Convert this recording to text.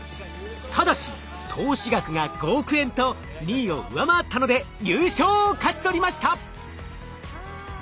ただし投資額が５億円と２位を上回ったので優勝を勝ち取りました！